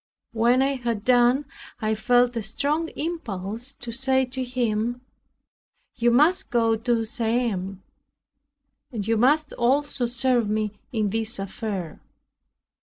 When I had done, I felt a strong impulse to say to him, "You must go to Siam, and you must also serve me in this affair.